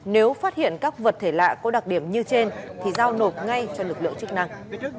nếu phát hiện các vật thể lạ có đặc điểm như trên thì giao nộp ngay cho lực lượng chức năng